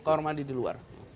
kawar mandi di luar